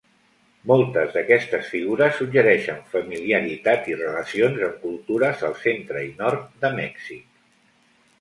Moltes d'aquestes figures suggereixen familiaritat i relacions amb cultures al centre i nord de Mèxic.